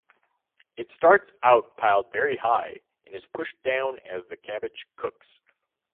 It starts out piled very high and is pushed down as the cabbage cooks.